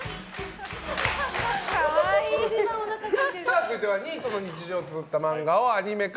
続いてはニートの日常をつづった漫画をアニメ化。